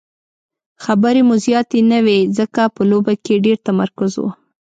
خبرې مو زیاتې نه وې ځکه په لوبه کې ډېر تمرکز وو.